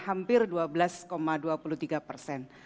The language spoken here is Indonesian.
hampir dua belas dua puluh tiga persen